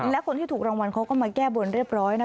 และคนที่ถูกรางวัลเขาก็มาแก้บนเรียบร้อยนะ